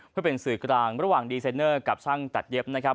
เพื่อเป็นสื่อกลางระหว่างดีไซนเนอร์กับช่างตัดเย็บนะครับ